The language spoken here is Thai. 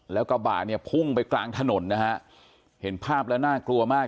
แล้วกระบะเนี่ยพุ่งไปกลางถนนนะฮะเห็นภาพแล้วน่ากลัวมาก